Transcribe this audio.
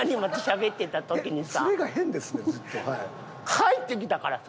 入ってきたからさ。